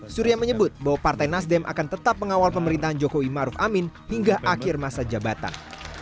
surya menyebut bahwa partai nasdem akan tetap mengawal pemerintahan jokowi maruf amin hingga akhir masa jabatan